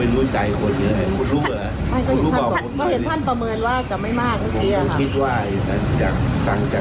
มันมีปัจจัยอะไรครับที่ทำให้คุณค่ะ